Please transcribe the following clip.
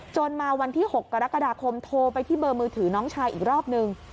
มาวันที่๖กรกฎาคมโทรไปที่เบอร์มือถือน้องชายอีกรอบนึง